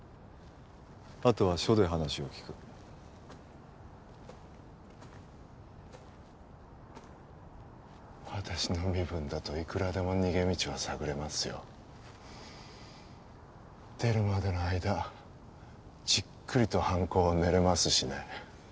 あとは署で話を聞く私の身分だといくらでも逃げ道は探れますよ出るまでの間じっくりと犯行を練れますしね